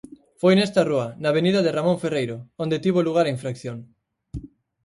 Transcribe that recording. Foi nesta rúa, na avenida de Ramón Ferreiro, onde tivo lugar a infracción.